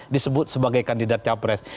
disebut sebagai kandidat capres